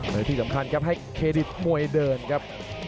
และที่สำคัญครับให้เครดิตมวยเดินครับ